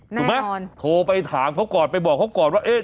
ถูกไหมโทรไปถามเขาก่อนไปบอกเขาก่อนว่าเอ๊ะ